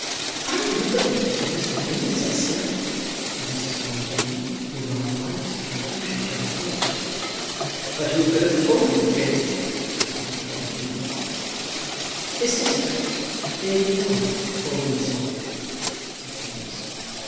"I do believe it, if Mr. Finn says so," said Mrs. Bonteen, who rather liked the confusion she had caused. "But who could have told you, Finn?" asked Mr. Bonteen. "His sister, Lady Laura, told me so," said Phineas.